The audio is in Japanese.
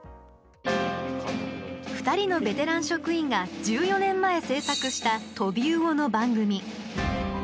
２人のベテラン職員が１４年前、制作したトビウオの番組。